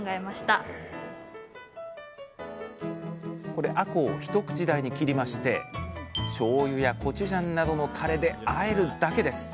これあこうを一口大に切りましてしょうゆやコチュジャンなどのタレであえるだけです。